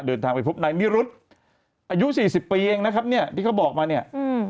เดินทางไปพบในนิรุตอายุ๔๐ปีเองนะครับเนี่ยที่เขาบอกมาเนี่ย